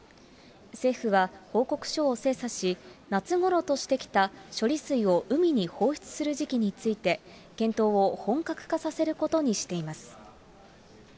政府は、報告書を精査し、夏ごろとしてきた処理水を海に放出する時期について、検討を本格化させることにしています。